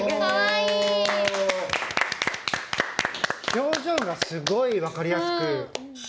表情がすごいわかりやすく。